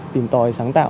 tìm tòi sáng tạo